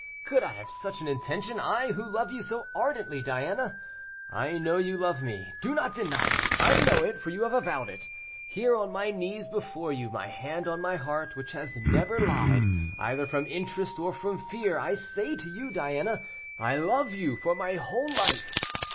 could I have such an intention, I, who love you so ardently, Diana. I know you love me; do not deny it, I know it, for you have avowed it. Here, on my knees before you, my hand on my heart, which has never lied, either from interest or from fear, I say to you, Diana, I love you, for my whole life.